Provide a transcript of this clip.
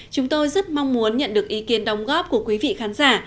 chúng tôi rất mong muốn nhận được ý kiến đóng góp của quý vị khán giả